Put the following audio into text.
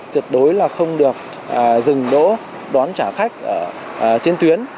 tuyệt đối là không được dừng đỗ đón trả khách trên tuyến